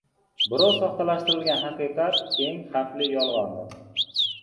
Birov soxtalashtirilgan haqiqat — eng xavfli yolg‘ondir.